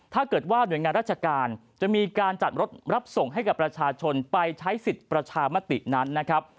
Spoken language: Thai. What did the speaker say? ถ้าเกิดว่าหน่วยงานราชการจะมีการจัดรถรับส่งให้กับประชาชนไปใช้สิทธิ์ประชามตินั้นนะครับ